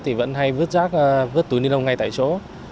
thì vẫn hay vứt rác vứt túi ni lông ngay tại chỗ